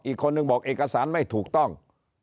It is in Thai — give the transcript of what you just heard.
อีกคนนึงบอกเอกสารไม่ถูกต้อง